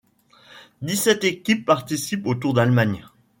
Dix-sept équipes participent au Tour d'Allemagne.